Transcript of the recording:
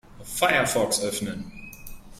Firefox öffnen.